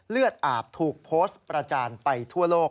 เลือดอาบถูกโพสต์ประจานไปทั่วโลก